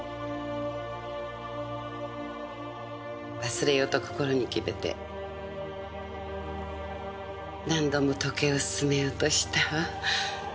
忘れようと心に決めて何度も時計を進めようとしたわ。